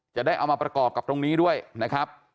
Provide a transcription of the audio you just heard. จะได้เอามาประกอบกับตรงนี้ด้วยนะครับ